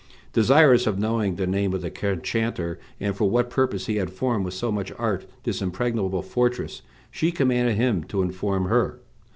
Desirous of knowing the name of the enchanter, and for what purpose he had formed with so much art this impregnable fortress, she commanded him to inform her.